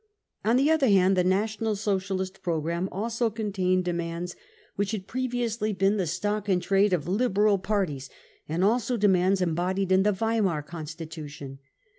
On the other hand the National Socialist programme also contained demands which had previously been the stock in trade of Liberal parties, and also demands embodied in the Weimar Constitution.